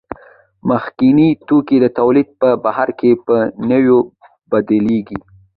مخکیني توکي د تولید په بهیر کې په نویو بدلېږي